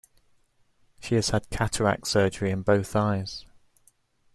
She has had cataract surgery in both eyes.